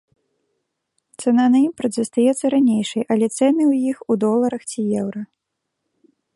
Цана на імпарт застаецца ранейшай, але цэны ў іх у доларах ці еўра.